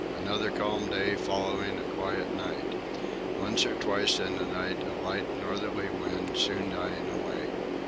Another calm day following a quiet night. Once or twice in the night a light northerly wind, soon dying away.